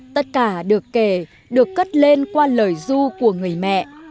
tất cả được kể được cất lên qua lời du của người mẹ